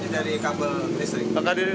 dari kabel listrik